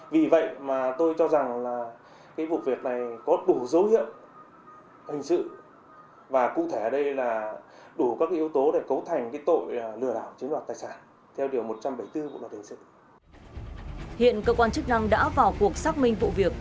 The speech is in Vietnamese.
vì vậy mà tôi cho rằng là cái vụ việc này có đủ dấu hiệu hình sự